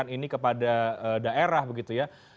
ini kepada daerah begitu ya